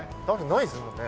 ないですもんね。